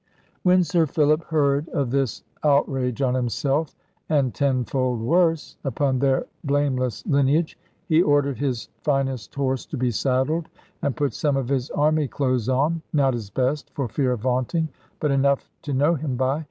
When Sir Philip heard of this outrage on himself and tenfold worse upon their blameless lineage, he ordered his finest horse to be saddled, and put some of his army clothes on; not his best, for fear of vaunting, but enough to know him by.